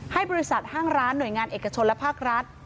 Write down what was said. ให้บริษัทห้างร้านหน่วยงานเอกชนและภาครัฐ